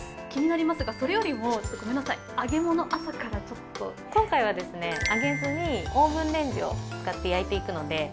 気になりますが、それよりも揚げ物、朝からちょっと揚げずにオーブンレンジを使って焼いていくので。